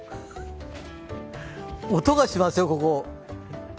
音がしますよ、ここ。